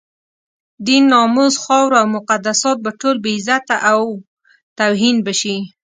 دين، ناموس، خاوره او مقدسات به ټول بې عزته او توهین به شي.